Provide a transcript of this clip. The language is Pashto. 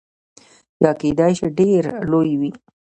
یا کیدای شي ډیر لوی وي.